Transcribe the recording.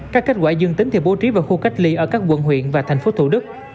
các kết quả dương tính thì bố trí vào khu cách ly ở các quận huyện và thành phố thủ đức